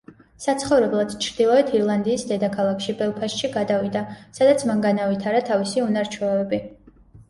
საცხოვრებლად ჩრდილოეთ ირლანდიის დედაქალაქში, ბელფასტში გადავიდა, სადაც მან განავითარა თავისი უნარ-ჩვევები.